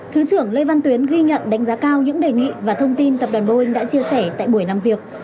thứ trưởng lê văn tuyến ghi nhận đánh giá cao những đề nghị và thông tin tập đoàn boeing đã chia sẻ tại buổi làm việc